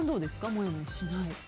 もやもやしない。